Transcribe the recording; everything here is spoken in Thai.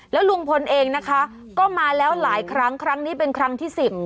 แล้วลุงพลเองนะคะก็มาแล้วหลายครั้งครั้งนี้เป็นครั้งที่๑๐